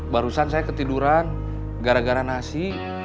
barusan saya ketiduran gara gara nasi